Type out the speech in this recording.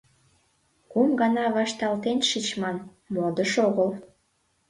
Кум гана вашталтен шичман — модыш огыл!